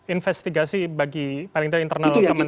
investigasi bagi paling terakhir internal kementerian keuangan